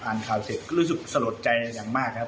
อ่านข่าวเสร็จก็รู้สึกสลดใจอย่างมากครับ